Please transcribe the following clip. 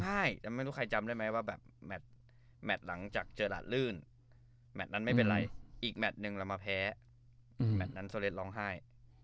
ใช่แต่ไม่รู้ใครจำได้ไหมว่าแบบแมทหลังจากเจอหลาดลื่นแมทนั้นไม่เป็นไรอีกแมทหนึ่งเรามาแพ้แมทนั้นโซเลสร้องไห้